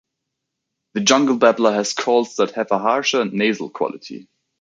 The jungle babbler has calls that have a harsher and nasal quality.